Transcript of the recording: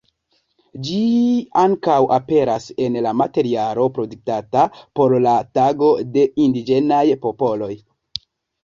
Ĝi ankaŭ aperas en la materialo produktita por la Tago de indiĝenaj popoloj.